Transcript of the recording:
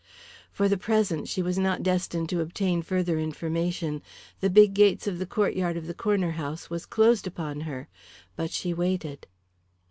For the present she was not destined to obtain further information. The big gates of the courtyard of the Corner House was closed upon her. But she waited.